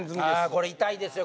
これ痛いですよ